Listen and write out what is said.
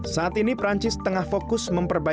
saat ini perancis tengah fokus memperbaiki